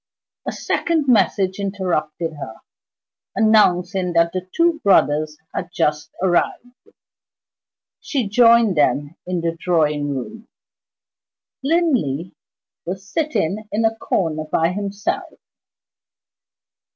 A second message interrupted her, announcing that the two brothers had just arrived. She joined them in the drawing room. Linley was sitting in a corner by himself.